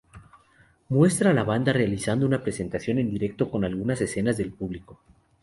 Muestra a la banda realizando una presentación en directo con algunas escenas del público.